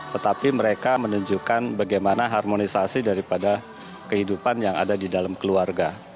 tetapi mereka menunjukkan bagaimana harmonisasi daripada kehidupan yang ada di dalam keluarga